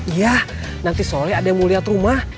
iya nanti sore ada yang mau liat rumah